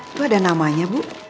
apa ada namanya bu